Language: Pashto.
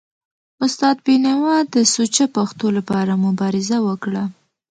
استاد بینوا د سوچه پښتو لپاره مبارزه وکړه.